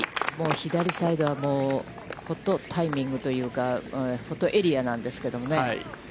左サイドは、もうホットタイミングというかホットエリアなんですけどもね。